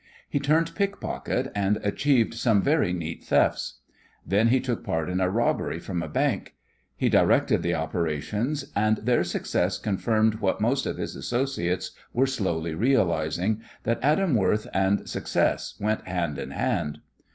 He turned pickpocket, and achieved some very neat thefts. Then he took part in a robbery from a bank. He directed the operations, and their success confirmed what most of his associates were slowly realizing that Adam Worth and success went hand in hand.